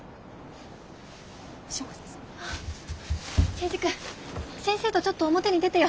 征二君先生とちょっと表に出てようね。